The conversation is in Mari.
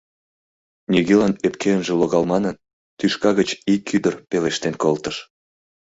Нигӧлан ӧпке ынже логал манын, тӱшка гыч ик ӱдыр пелештен колтыш: